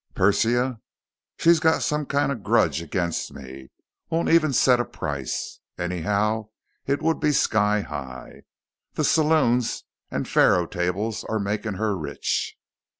"Persia. She's got some kind of grudge against me, won't even set a price. Anyhow, it would be sky high. The saloons and faro tables are making her rich."